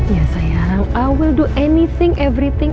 ya sayang aku akan melakukan apa pun